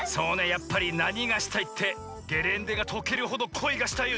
やっぱりなにがしたいってゲレンデがとけるほどこいがしたいよね。